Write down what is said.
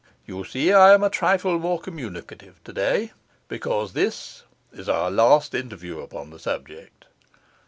You see I am a trifle more communicative today, because this is our last interview upon the subject.